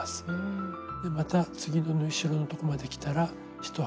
また次の縫い代のとこまできたら１針すくって。